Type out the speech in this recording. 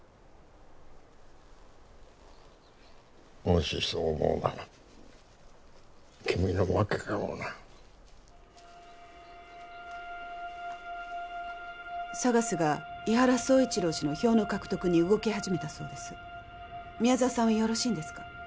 もしそう思うなら君の負けかもなＳＡＧＡＳが伊原総一郎氏の票の獲得に動き始めたそうです宮沢さんはよろしいんですか？